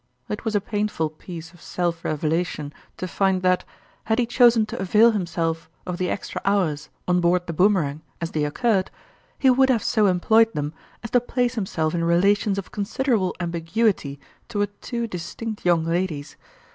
It was a painful piece of self revelation to find that, had he chosen to avail himself of the extra hours on board the Boomerang as they occurred, he would have so employed them as to place himself in relations of considerable ambiguity toward two distinct young ladies.